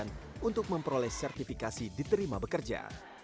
buatemos del bana